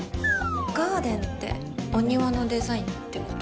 ガーデンってお庭のデザインってこと？